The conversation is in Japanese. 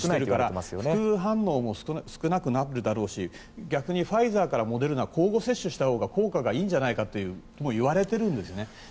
だから副反応も少なくなるだろうし逆にファイザーからモデルナへ交互接種したほうが効果があるんじゃないかとも言われているんですね。